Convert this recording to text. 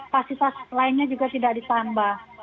fasilitas lainnya juga tidak ditambah